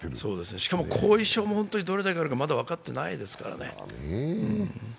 しかも後遺症がどれだけあるかまだ分かっていませんから。